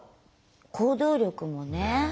行動力もね。